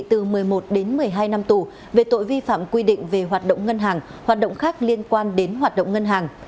từ một mươi một đến một mươi hai năm tù về tội vi phạm quy định về hoạt động ngân hàng hoạt động khác liên quan đến hoạt động ngân hàng